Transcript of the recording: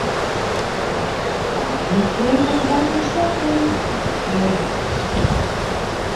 Ofrûne freed hat de bank beslach lein op ien fan de rekkens.